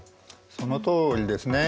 そのとおりですね。